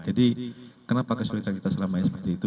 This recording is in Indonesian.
jadi kenapa kesulitan kita selamanya seperti itu